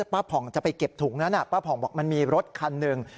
ผ่องจะไปเก็บถุงนั้นป้าผ่องบอกมันมีรถคันหนึ่ง